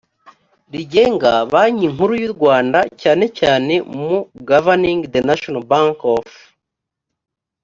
rigenga banki nkuru y u rwanda cyane cyane mu governing the national bank of